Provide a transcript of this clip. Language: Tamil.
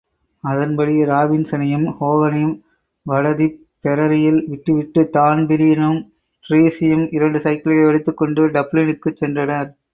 அதன்படி ராபின்ஸனையும் ஹோகனையும் வடதிப்பெரரியில் விட்டு விட்டு தான்பிரீனும் டிரீஸியும் இரண்டு சைக்கிள்களை எடுத்துக்கொண்டு டப்ளினுக்குச் சென்றனர்.